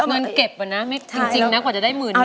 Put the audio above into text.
เงินเก็บอะนะจริงนะกว่าจะได้หมื่นหนึ่ง